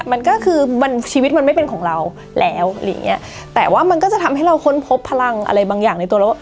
มันก็คือมันชีวิตมันไม่เป็นของเราแล้วอะไรอย่างเงี้ยแต่ว่ามันก็จะทำให้เราค้นพบพลังอะไรบางอย่างในตัวเราว่า